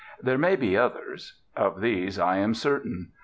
There may be others. Of these I am certain.